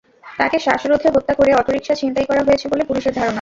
তাকে শ্বাসরোধে হত্যা করে অটোরিকশা ছিনতাই করা হয়েছে বলে পুলিশের ধারণা।